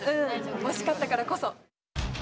惜しかったからこそ。